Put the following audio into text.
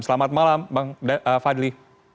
selamat malam bang fadli